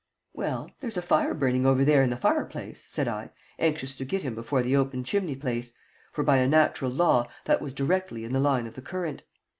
"Well there's a fire burning over there in the fireplace," said I, anxious to get him before the open chimney place; for, by a natural law, that was directly in the line of the current.